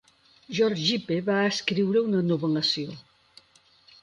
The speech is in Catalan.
George Gipe va escriure una novel·lació.